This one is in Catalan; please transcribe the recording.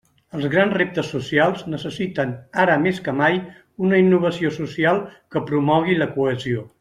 Els grans reptes socials necessiten, ara més que mai, una innovació social que promogui la cohesió.